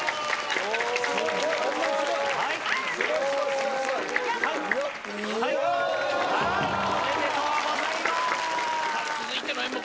おめでとうございます。